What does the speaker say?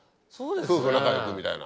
夫婦仲良くみたいな。